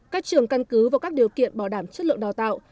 các trường căn cứ vào các điều kiện bảo đảm chất lượng đào tạo